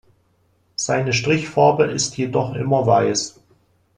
Seine Strichfarbe ist jedoch immer weiß.